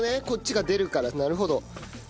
こっちが出るからなるほど。